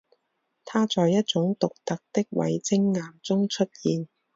它在一种独特的伟晶岩中出现。